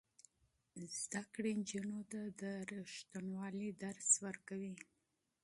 تعلیم نجونو ته د صداقت درس ورکوي.